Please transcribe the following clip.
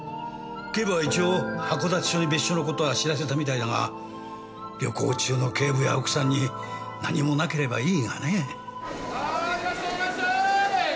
警部は一応函館署に別所の事は知らせたみたいだが旅行中の警部や奥さんに何もなければいいがね。さあいらっしゃいいらっしゃい！